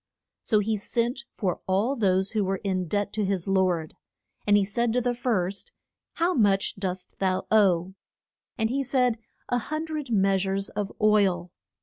So he sent for all those who were in debt to his lord. And he said to the first, How much dost thou owe? And he said, A hun dred mea sures of oil.